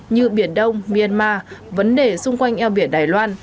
như biển đông myanmar vấn đề xung quanh eo biển đài loan